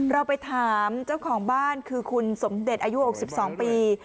เราไปถามเจ้าของบ้านคือคุณสมเด็จอายุ๖๒ปี